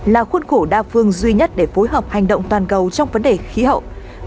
là khuôn khổ đa phương duy nhất để phối hợp hành động toàn cầu trong vấn đề khí hậu